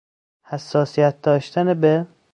حساسیت داشتن به